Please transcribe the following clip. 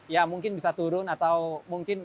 ya mungkin bisa turun atau mungkin